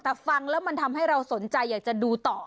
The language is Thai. แต่ฟังแล้วมันทำให้เราสนใจอยากจะดูต่อ